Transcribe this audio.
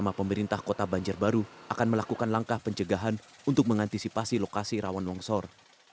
bersama pemerintah kota banjarbaru akan melakukan langkah pencegahan untuk mengantisipasi lokasi rawan longsor